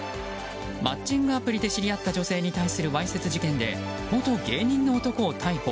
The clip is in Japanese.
マッチングアプリで知り合った女性に対するわいせつ事件で元芸人の男を逮捕。